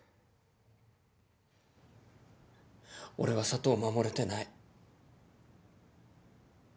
俺は佐都を守れてない。